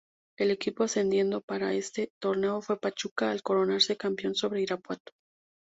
El equipo ascendido para este torneo fue Pachuca al coronarse campeón sobre Irapuato.